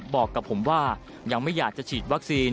บอกกับผมว่ายังไม่อยากจะฉีดวัคซีน